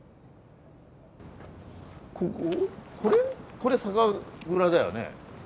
これ酒蔵だよね。